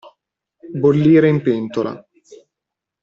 Bollire in pentola.